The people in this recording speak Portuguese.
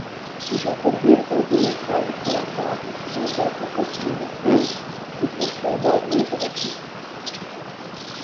desincumbência do encargo pela parte seja impossível ou excessivamente difícil